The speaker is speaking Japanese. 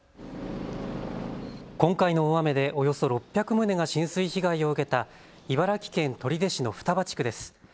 今回の大雨でおよそ６００棟が浸水被害を受けた茨城県取手市の双葉地区です。